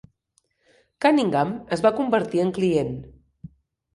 Cunningham es va convertir en client.